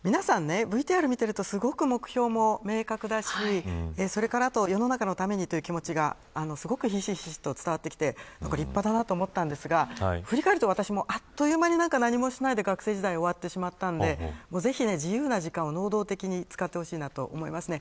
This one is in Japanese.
皆さんＶＴＲを見ているとすごく目標も明確だし世の中のためにという気持ちがすごくひしひしと伝わってきて立派だなと思ったんですが振り返ると、私もあっという間に何もしないで学生時代が終わってしまったのでぜひ自由な時間を能動的に使ってほしいです。